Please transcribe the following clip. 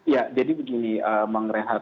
ya jadi begini bang rehat